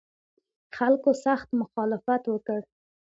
خلکو سخت مخالفت وکړ.